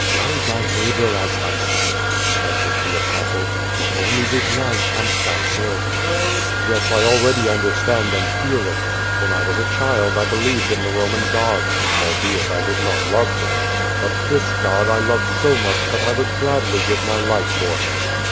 "Love thy neighbor as thyself," answered the Apostle, "for only with love canst thou serve Him." "Yes, I already understand and feel it. When I was a child, I believed in the Roman gods, albeit I did not love them. But this God I love so much that I would gladly give my life for Him."